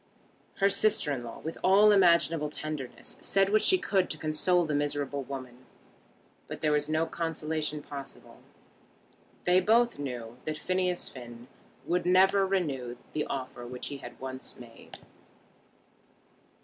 Her sister in law with all imaginable tenderness said what she could to console the miserable woman; but there was no consolation possible. They both knew that Phineas Finn would never renew the offer which he had once made.